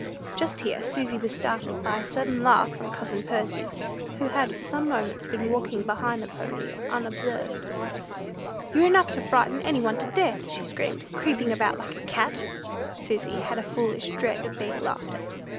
Just here Susy was startled by a sudden laugh from cousin Percy, who had for some moments been walking behind the pony unobserved. "You're enough to frighten any one to death," she screamed, "creeping about like a cat." Susy had a foolish dread of being laughed at.